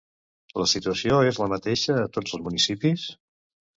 La situació és la mateixa a tots els municipis?